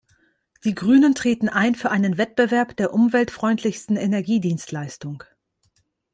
Die Grünen treten ein für einen Wettbewerb der umweltfreundlichsten Energiedienstleistung.